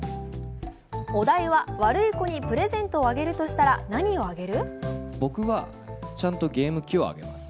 お題は、悪い子にプレゼントをあげるとしたら何をあげる？